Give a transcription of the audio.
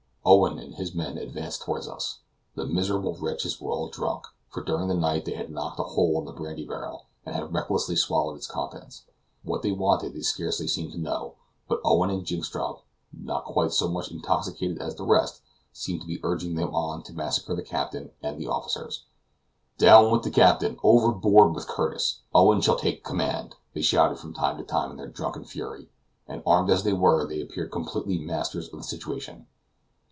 Owen and his men advanced toward us. The miserable wretches were all drunk, for during the night they had knocked a hole in the brandy barrel, and had recklessly swallowed its contents. What they wanted they scarcely seemed to know, but Owen and Jynxstrop, not quite so much intoxicated as the rest, seemed to be urging them on to massacre the captain and the officers. "Down with the captain! Overboard with Curtis! Owen shall take the command!" they shouted from time to time in their drunken fury; and, armed as they were, they appeared completely masters of the situation.